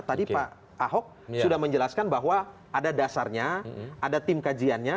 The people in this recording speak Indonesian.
tadi pak ahok sudah menjelaskan bahwa ada dasarnya ada tim kajiannya